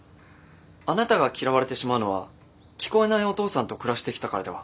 あなたが嫌われてしまうのは聞こえないお父さんと暮らしてきたからでは？